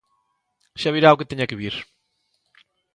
Xa virá o que teña que vir.